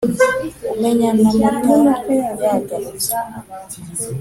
Umenya n’amata yagarutse.